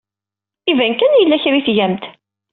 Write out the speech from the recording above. Iban kan yella kra ay tgamt.